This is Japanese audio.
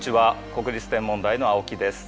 国立天文台の青木です。